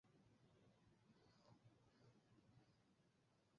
Athletics কর্মজীবনের পর, তিনি ইভেন্ট মার্কেটিং এবং কনসালটিং এ সফল হয়েছেন।